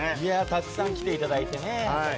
たくさん来ていただいてね。